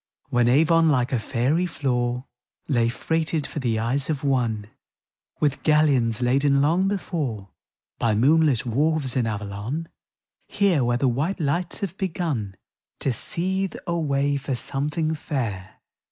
When Avon, like a faery floor, Lay freighted, for the eyes of One, With galleons laden long before By moonlit wharves in Avalon — Here, where the white lights have begun To seethe a way for something fair.